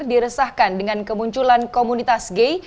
diresahkan dengan kemunculan komunitas gay